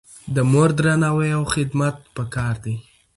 د مور درناوی او خدمت پکار دی.